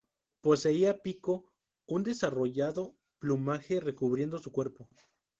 Poseía pico y un desarrollado plumaje recubriendo su cuerpo.